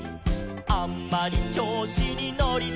「あんまりちょうしにのりすぎて」